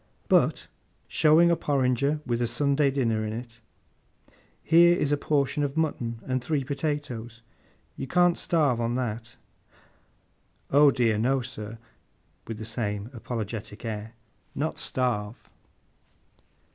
'But,' showing a porringer with a Sunday dinner in it; 'here is a portion of mutton, and three potatoes. You can't starve on that?' 'Oh dear no, sir,' with the same apologetic air. 'Not starve.